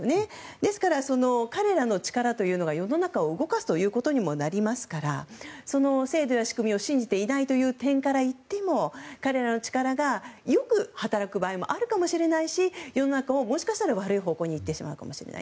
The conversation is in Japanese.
ですから、彼らの力というのが世の中を動かすことにもなりますから制度や仕組みを信じていないという点からいっても彼らの力が、よく働く場合もあるかもしれないし世の中が、もしかしたら悪い方向に行ってしまうかもしれない。